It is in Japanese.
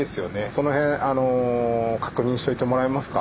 その辺確認しといてもらえますか？